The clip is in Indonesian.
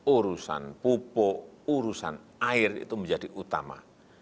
urusan pupuk urusan air itu menjadi utama